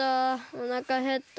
おなかへった。